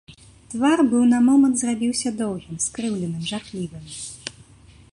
Твар быў на момант зрабіўся доўгім, скрыўленым, жахлівым.